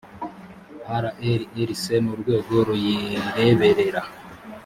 rlrc n urwego ruyireberera